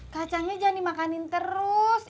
kacangnya jangan dimakanin terus